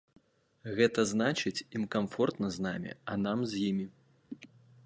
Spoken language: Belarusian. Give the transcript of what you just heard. Гэта значыць, ім камфортна з намі, а нам з імі.